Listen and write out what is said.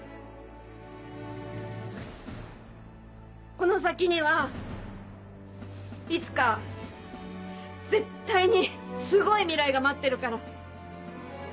この先にはいつか絶対にすごい未来が待ってるから。